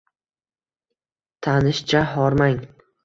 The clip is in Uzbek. Tanishcha: Hormang